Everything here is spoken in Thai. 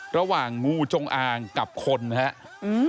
ระหว่างงูจงอางกับคนนะครับ